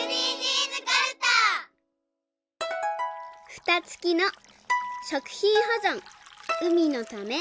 「ふたつきの食品ほぞん海のため」。